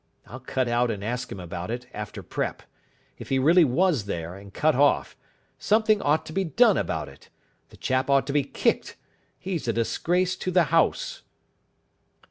I'll cut out and ask him about it after prep. If he really was there, and cut off, something ought to be done about it. The chap ought to be kicked. He's a disgrace to the house."